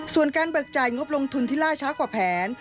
ส่วนการเบิกจ่ายงบลงทุนที่ล่าช้ากว่าแผน